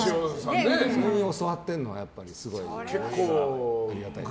その方に教わっているのはありがたいです。